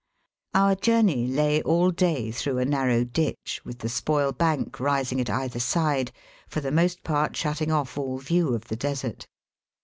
Our journey lay all day through a narrow ditch, with the spoil bank rising at either side, for the most part shutting off all view of the desert.